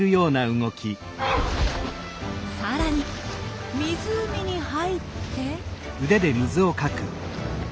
さらに湖に入って。